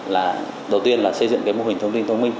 là đầu tiên là xây dựng cái mô hình thông tin thông minh